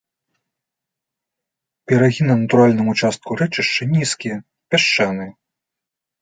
Берагі на натуральным участку рэчышча нізкія, пясчаныя.